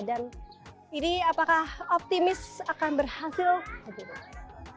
dan ini apakah optimis akan berhasil